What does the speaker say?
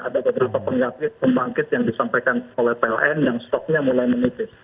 ada beberapa pembangkit yang disampaikan oleh pln yang stoknya mulai menipis